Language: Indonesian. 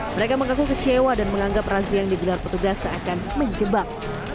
mereka mengaku kecewa dan menganggap razia yang digelar petugas seakan menjebak